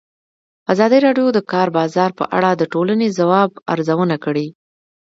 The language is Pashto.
ازادي راډیو د د کار بازار په اړه د ټولنې د ځواب ارزونه کړې.